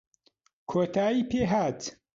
کۆتایی پێ هات